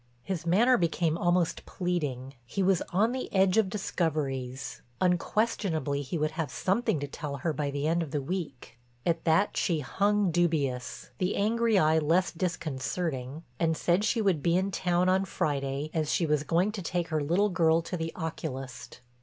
His manner became almost pleading; he was on the edge of discoveries, unquestionably he would have something to tell her by the end of the week. At that she hung dubious, the angry eye less disconcerting, and said she would be in town on Friday as she was going to take her little girl to the oculist.